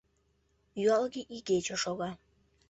Юалге игече шога.